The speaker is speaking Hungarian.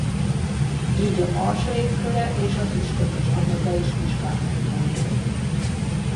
Így a Mars légköre és az üstökös anyaga is vizsgálható volt.